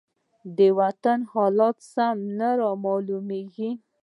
د وطن حالات سم نه رامالومېږي.